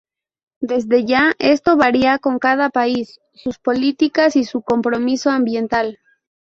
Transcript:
Desde ya esto varía con cada país, sus políticas y su compromiso ambiental.